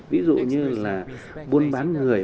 ví dụ như là buôn bán người